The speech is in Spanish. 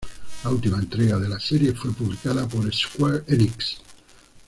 La última entrega de la serie fue publicada por Square Enix